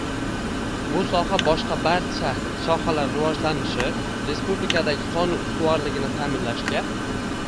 «Bu soha boshqa barcha sohalar rivojlanishi, respublikadagi qonun ustuvorligini ta’minlashga